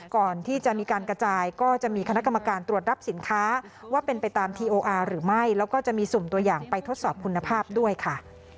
ก่อนที่จะมีการกระจายก็จะมีคณะกรรมการตรวจรับสินค้าว่าเป็นไปตามทีโออาร์หรือไม่แล้วก็จะมีสุ่มตัวอย่างไปทดสอบคุณภาพด้วยค่ะ